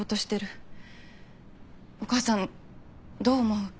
お母さんどう思う？